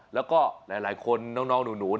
แล้วก็หลายคนน้องหนู